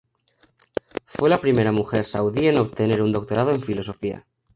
Fue la primera mujer saudí en obtener un doctorado en Filosofía.